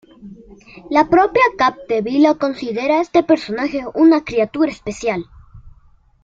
La propia Capdevila considera a este personaje una criatura especial.